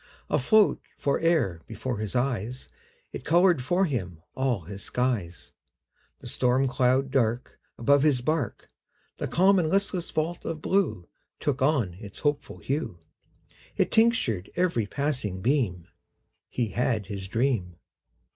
Afloat fore'er before his eyes, It colored for him all his skies: The storm cloud dark Above his bark, The calm and listless vault of blue Took on its hopeful hue, It tinctured every passing beam He had his dream.